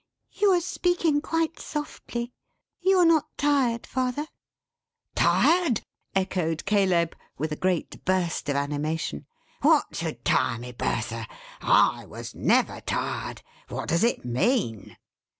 "You are speaking quite softly. You are not tired father?" "Tired," echoed Caleb, with a great burst of animation, "what should tire me, Bertha? I was never tired. What does it mean?"